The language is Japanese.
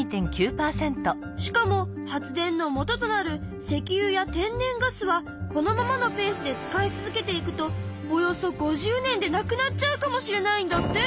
しかも発電のもととなる石油や天然ガスはこのままのペースで使い続けていくとおよそ５０年で無くなっちゃうかもしれないんだって。